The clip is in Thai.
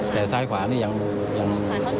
แต่ซ้ายขวานี่ยัง